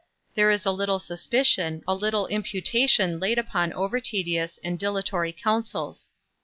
There is a little suspicion, a little imputation laid upon over tedious and dilatory counsels.